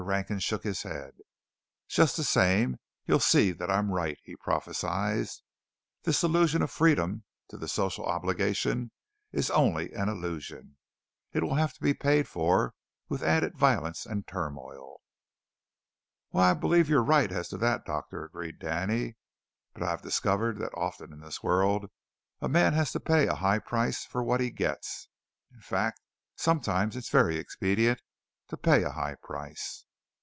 Rankin shook his head. "Just the same, you'll see that I am right," he prophesied. "This illusion of freedom to the social obligation is only an illusion. It will have to be paid for with added violence and turmoil." "Why, I believe you're right as to that, Doctor," agreed Danny, "but I've discovered that often in this world a man has to pay a high price for what he gets. In fact, sometimes it's very expedient to pay a high price."